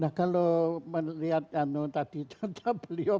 nah kalau melihat tadi contoh beliau